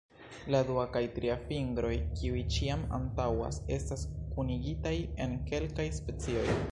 La dua kaj tria fingroj, kiuj ĉiam antaŭas, estas kunigitaj en kelkaj specioj.